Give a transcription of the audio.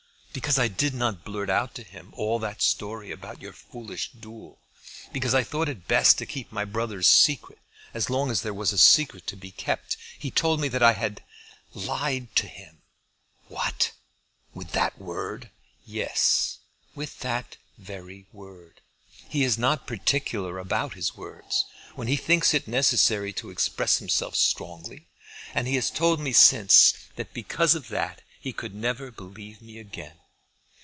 Because I did not blurt out to him all that story about your foolish duel, because I thought it best to keep my brother's secret, as long as there was a secret to be kept, he told me that I had, lied to him!" "What! with that word?" "Yes, with that very word. He is not particular about his words, when he thinks it necessary to express himself strongly. And he has told me since that because of that he could never believe me again.